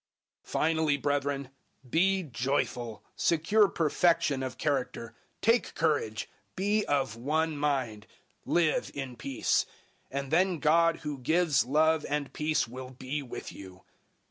013:011 Finally, brethren, be joyful, secure perfection of character, take courage, be of one mind, live in peace. And then God who gives love and peace will be with you.